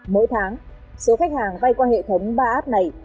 mỗi tháng số khách hàng vay qua hệ thống ba app này